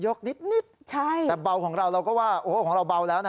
นิดใช่แต่เบาของเราเราก็ว่าโอ้ของเราเบาแล้วนะ